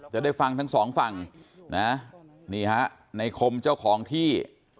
จะได้ฟังทั้งสองฝั่งนะนี่ฮะในคมเจ้าของที่